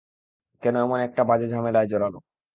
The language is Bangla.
কেন এমন একটা বাজে ঝামেলায় জড়াল?